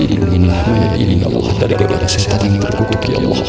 iya pak ustad berat banget